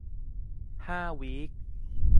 ห้าวีค